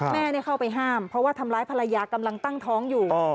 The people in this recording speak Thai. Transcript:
แม่เข้าไปห้ามเพราะว่าทำร้ายภรรยากำลังตั้งท้องอยู่